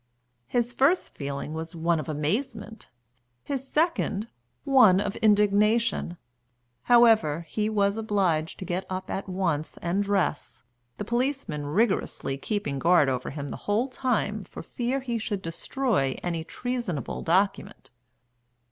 His first feeling was one of amazement, his second, one of indignation; however, he was obliged to get up at once and dress, the policeman rigorously keeping guard over him the whole time for fear he should destroy any treasonable document.